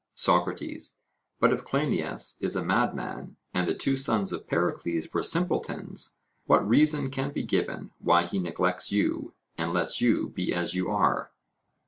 SOCRATES: But if Cleinias is a madman and the two sons of Pericles were simpletons, what reason can be given why he neglects you, and lets you be as you are?